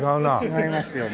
違いますよね。